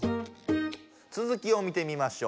続きを見てみましょう。